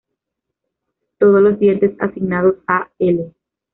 Todos los dientes asignados a "L.?